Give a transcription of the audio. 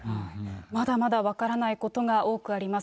まだまだ分からないことが多くあります。